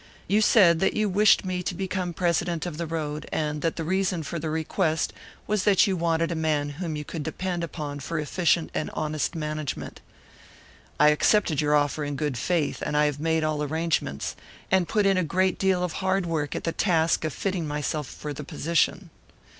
You said that you wished me to become president of the road, and that the reason for the request was that you wanted a man whom you could depend upon for efficient and honest management. I accepted your offer in good faith; and I have made all arrangements, and put in a great deal of hard work at the task of fitting myself for the position.